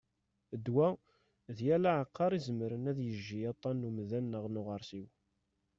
Ddwa: "d yal aɛeqqar izemren ad yejji aṭṭan n umdan neɣ n uɣersiw"